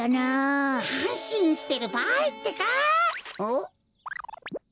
ん？